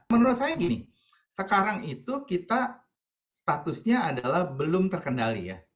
menurut saya gini sekarang itu kita statusnya adalah belum terkendali ya